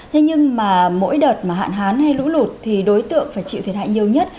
thế nhưng mà mỗi đợt mà hạn hán hay lũ lụt thì đối tượng phải chịu thiệt hại nhiều nhất